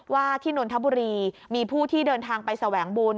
ที่นนทบุรีมีผู้ที่เดินทางไปแสวงบุญ